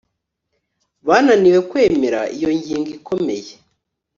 bananiwe kwemera iyo ngingo ikomeye